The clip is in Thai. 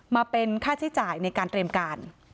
มาเป็นค่าใช้จ่ายในการเตรียมการ